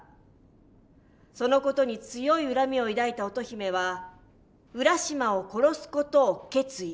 その事に強い恨みを抱いた乙姫は浦島を殺す事を決意。